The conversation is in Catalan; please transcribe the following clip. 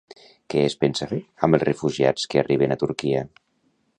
Què es pensa fer amb els refugiats que arriben a Turquia?